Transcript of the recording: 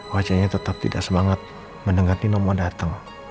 wajahnya tetap tidak semangat mendengar nino mau datang